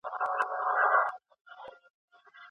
الکول عصبي ناروغۍ رامنځ ته کوي.